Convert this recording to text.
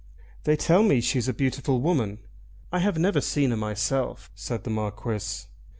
"They tell me she's a beautiful woman. I have never seen her myself," said the Marquis.